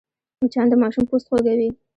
مچان د ماشوم پوست خوږوي